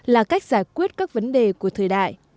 là cách giải quyết các vấn đề của thời đại